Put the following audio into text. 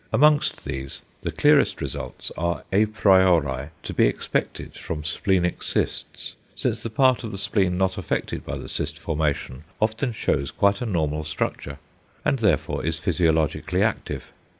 Amongst these, the clearest results are à priori to be expected from splenic cysts, since the part of the spleen not affected by the cyst formation often shews quite a normal structure, and therefore is physiologically active.